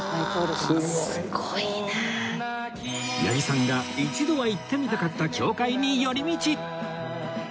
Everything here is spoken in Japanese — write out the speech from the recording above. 八木さんが一度は行ってみたかった教会に寄り道